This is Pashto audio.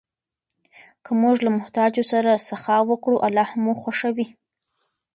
که موږ له محتاجو سره سخا وکړو، الله مو خوښوي.